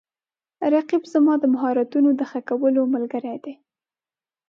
رقیب زما د مهارتونو د ښه کولو ملګری دی